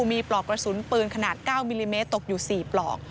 มีปลอกกระสุนปืนขนาด๙มิลลิเมตรตกอยู่๔ปลอก